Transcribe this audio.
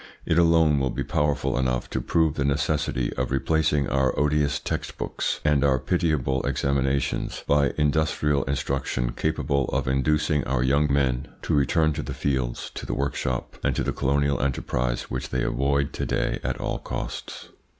It alone will be powerful enough to prove the necessity of replacing our odious text books and our pitiable examinations by industrial instruction capable of inducing our young men to return to the fields, to the workshop, and to the colonial enterprise which they avoid to day at all costs.